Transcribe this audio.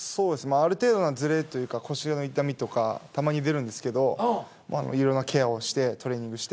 ある程度のズレというか腰の痛みとかたまに出るんですけどいろいろなケアをしてトレーニングして。